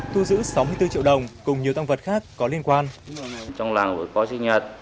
thu giữ sáu mươi bốn triệu đồng cùng nhiều tăng vật khác có liên quan